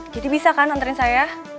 jadi bisa kan nantarin saya